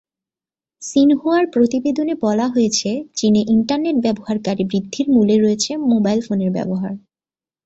সিনহুয়ার প্রতিবেদনে বলা হয়েছে, চীনে ইন্টারনেট ব্যবহারকারী বৃদ্ধির মূলে রয়েছে মোবাইল ফোনের ব্যবহার।